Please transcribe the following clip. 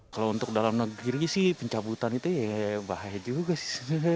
kalau untuk dalam negeri sih pencabutan itu ya bahaya juga sih